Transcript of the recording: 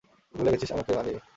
তুই ভুলে গেছিস আমাকে, বানি।